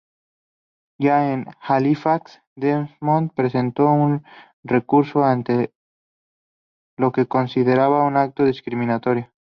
Ya en Halifax, Desmond presentó un recurso ante lo que consideraba un acto discriminatorio.